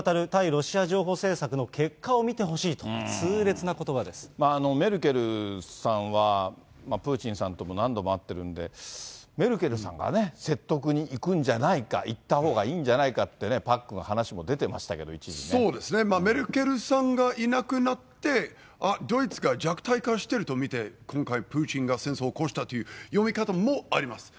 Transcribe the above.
ロシア譲歩政策の結果を見てほしいと痛烈なことメルケルさんは、プーチンさんとも何度も会ってるんでメルケルさんがね、説得に行くんじゃないか、行ったほうがいいんじゃないかってね、パックン、そうですね、メルケルさんがいなくなって、あっ、ドイツが弱体化してると見て、今回、プーチンが戦争を起こしたという読み方もあります。